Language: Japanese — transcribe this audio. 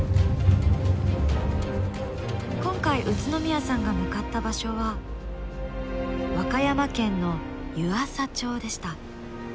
今回宇都宮さんが向かった場所は和歌山県の湯浅町でした。